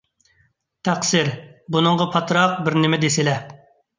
تەقسىر، بۇنىڭغا پاتراق بىرنېمە دېسىلە.